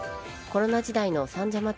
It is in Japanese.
コロナ時代の三社祭。